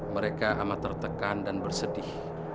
mereka amat tertekan dan bersedih